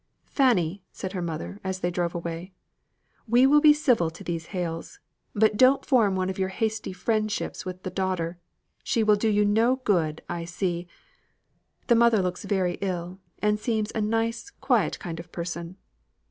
"Fanny!" said her mother, as they drove away, "we will be civil to these Hales: but don't form one of your hasty friendships with the daughter. She will do you no good, I see. The mother looks very ill, and seems a nice, quiet kind of person."